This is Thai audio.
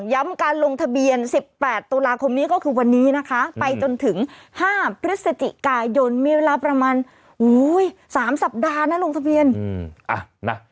การลงทะเบียน๑๘ตุลาคมนี้ก็คือวันนี้นะคะไปจนถึง๕พฤศจิกายนมีเวลาประมาณ๓สัปดาห์นะลงทะเบียน